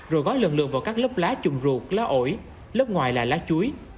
rồi gói lần lượt vào các lớp lá chùm ruột lá ổi lớp ngoài là lá chuối